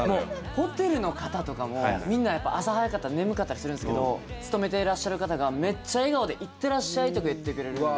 ホテルの方とかもみんなやっぱ朝早かったら眠かったりするんですけど勤めていらっしゃる方がめっちゃ笑顔で「いってらっしゃい！」とか言ってくれるんで。